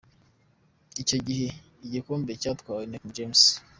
Icyo gihe igikombe cyatwawe na King James.